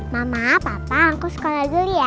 mama papa aku sekolah dulu ya